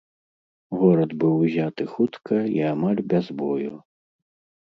Горад быў узяты хутка і амаль без бою.